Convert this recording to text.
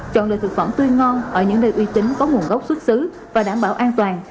chọn loại thực phẩm tươi ngon ở những nơi uy tín có nguồn gốc xuất xứ và đảm bảo an toàn